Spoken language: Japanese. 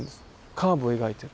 カーブを描いてる。